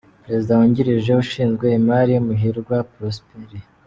Perezida wungirije ushinzwe imari: Muhirwa Prosper.